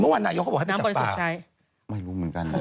เมื่อวานนายก็บอกให้ไปจับปลาไม่รู้เหมือนกัน